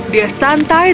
dia santai dan lega